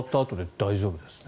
大丈夫ですね。